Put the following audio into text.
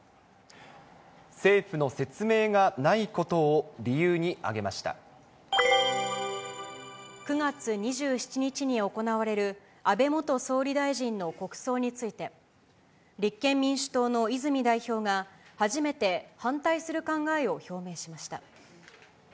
政府の説明がないことを理由９月２７日に行われる、安倍元総理大臣の国葬について、立憲民主党の泉代表が初めて反対する考えを表明しました。